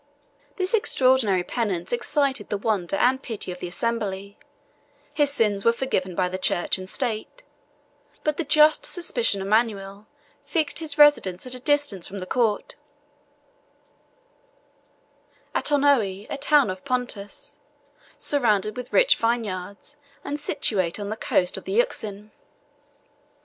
This extraordinary penance excited the wonder and pity of the assembly; his sins were forgiven by the church and state; but the just suspicion of Manuel fixed his residence at a distance from the court, at Oenoe, a town of Pontus, surrounded with rich vineyards, and situate on the coast of the Euxine.